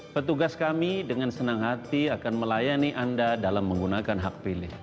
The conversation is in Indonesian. petugas kami dengan senang hati akan melayani anda dalam menggunakan hak pilih